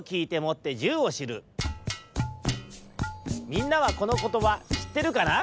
みんなはこのことばしってるかな？